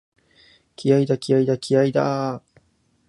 気合いだ、気合いだ、気合いだーっ！！！